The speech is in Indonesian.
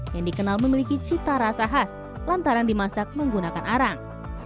yang dikenal memiliki cita rasa khas lantaran dimasak menggunakan arang